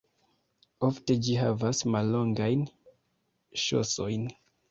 Ofte ĝi havas mallongajn ŝosojn.